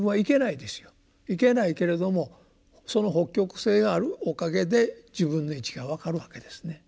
行けないけれどもその北極星があるおかげで自分の位置が分かるわけですね。